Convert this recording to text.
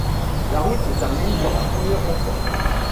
La route se termine par un premier rond-point.